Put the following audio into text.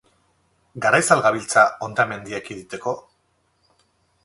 Garaiz al gabiltza hondamendia ekiditeko?